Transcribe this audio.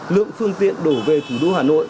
lượng phương tiện đổ về thủ đô hà nội